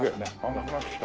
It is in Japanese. なくなってきた。